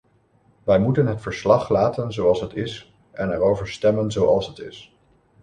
Wij moeten het verslag laten zoals het is en erover stemmen zoals het is.